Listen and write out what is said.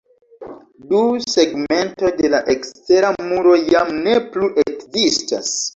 Du segmentoj de la ekstera muro jam ne plu ekzistas.